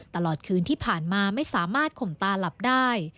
ตลอดคืนที่ผ่านมาไม่สามารถข่มตาหลับได้